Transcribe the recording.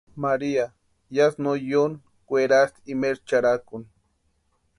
María yásï no yóni kwerasti imaeri charhakuni.